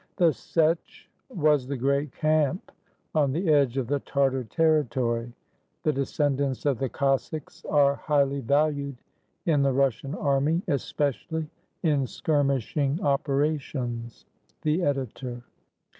The "Setch" was the great camp on the edge of the Tartar territory. The descendants of the Cossacks are highly valued in the Russian army, es pecially in skirmishing operations. The Editor.